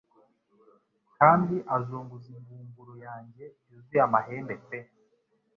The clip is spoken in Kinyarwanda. Kandi azunguza ingunguru yanjye yuzuye amahembe pe